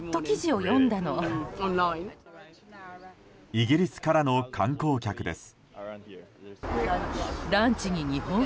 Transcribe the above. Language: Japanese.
イギリスからの観光客です。